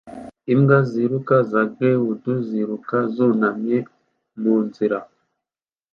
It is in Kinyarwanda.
Imbwa ziruka za greyhound ziruka zunamye mu nzira